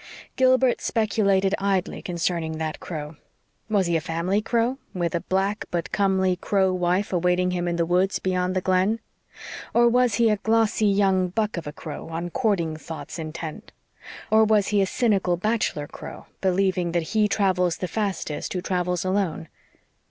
Gilbert speculated idly concerning that crow. Was he a family crow, with a black but comely crow wife awaiting him in the woods beyond the Glen? Or was he a glossy young buck of a crow on courting thoughts intent? Or was he a cynical bachelor crow, believing that he travels the fastest who travels alone?